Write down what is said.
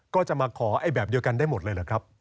ก็จะมาขอแบบเดียวกันได้หมดเลยเหรอครับ